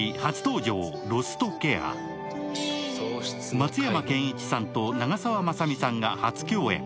松山ケンイチさんと長澤まさみさんが初共演。